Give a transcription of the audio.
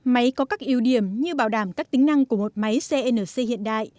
máy có các ưu điểm như bảo đảm các tính năng của một máy cnc hiện đại